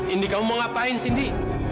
indi kamu mau ngapain sih indi